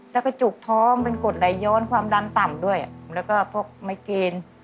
แล้วก็จุกท้องเป็นกดไหลย้อนความดันต่ำด้วยแล้วก็พวกไม้เกณฑ์